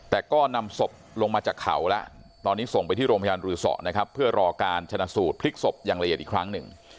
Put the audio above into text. แต่ก็นำศพลงมาจากเขาแล้วตอนนี้ส่งไปที่โรงพยาบาลรือสอนะครับเพื่อรอการชนะสูตรพลิกศพอย่างละเอียดอีกครั้งหนึ่ง